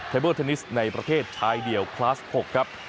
เบิลเทนนิสในประเทศชายเดี่ยวคลาส๖ครับ